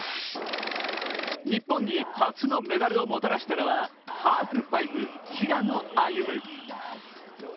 日本に初のメダルをもたらしたのはハーフパイプ、平野歩夢。